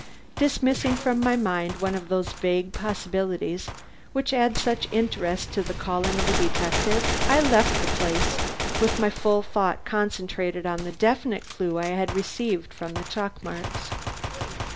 Dismissing from my mind one of those vague possibilities, which add such interest to the calling of a detective, I left the place, with my full thought concentrated on the definite clue I had received from the chalk marks.